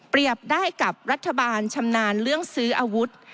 ได้กับรัฐบาลชำนาญเรื่องซื้ออาวุธ